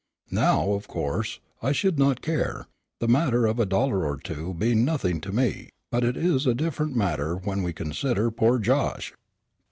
Now, of course, I should not care, the matter of a dollar or two being nothing to me; but it is a very different matter when we consider poor Josh."